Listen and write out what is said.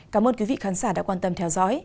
cảm ơn quý vị khán giả đã quan tâm theo dõi